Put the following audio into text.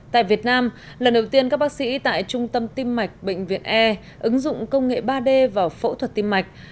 tại việt nam lần đầu tiên các bác sĩ tại trung tâm tim mạch bệnh viện e ứng dụng công nghệ ba d vào phẫu thuật tim mạch